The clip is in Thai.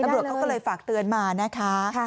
รบรวมเค้าก็เลยฝากเตือนมานะคะ